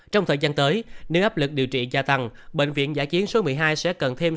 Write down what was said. trong thời gian tới nếu áp lực điều trị gia tăng bệnh viện giã chiến số một mươi hai sẽ cần thêm